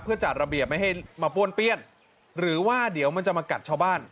เพื่อจัดระเบียบไม่ให้มาป้วนเปี้ยนหรือว่าเดี๋ยวมันจะมากัดชาวบ้าน